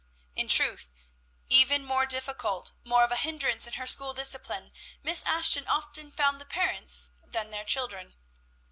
In truth, even more difficult, more of a hindrance in her school discipline, Miss Ashton often found the parents than their children.